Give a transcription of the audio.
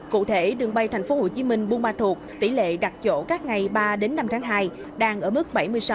cụ thể đường bay tp hcm buôn ba thuộc tỷ lệ đặt chỗ các ngày ba năm tháng hai đang ở mức bảy mươi sáu tám mươi ba